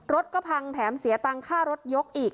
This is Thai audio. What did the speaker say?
รถก็พังแถมเสียตังค่ารถยกอีก